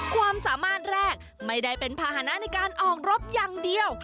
ความสามารถแรกไม่ได้เป็นภาษณะในการออกรบอย่างเดียว